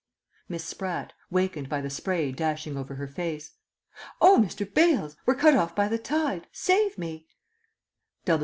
Miss Spratt (wakened by the spray dashing over her face). Oh, Mr. Bales! We're cut off by the tide! Save me!